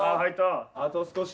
あと少し。